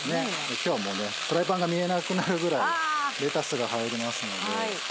今日はもうフライパンが見えなくなるぐらいレタスが入りますので。